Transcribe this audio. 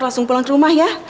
langsung pulang ke rumah ya